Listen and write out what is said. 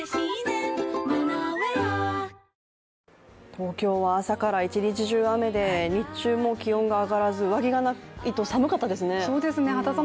東京は朝から一日中雨で日中も気温が上がらず、上着がないと寒かったですね。